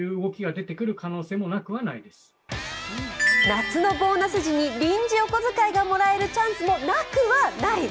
夏のボーナス時に臨時お小遣いがもらえるチャンスもなくはない。